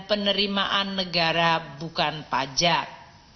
penerimaan negara bukan pajak